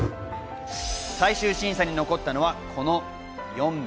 最終審査に残ったのはこの４名。